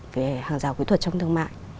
về hàng rào kỹ thuật trong thương mại